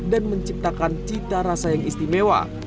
dan menciptakan cita rasa yang istimewa